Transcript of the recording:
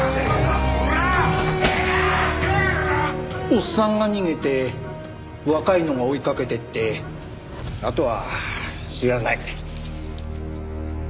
おっさんが逃げて若いのが追いかけてってあとは知らない。